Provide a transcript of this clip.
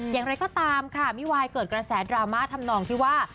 อย่างไรก็ตามค่ะมิวายเกิดกระแสดราม่าทำนองที่ว่า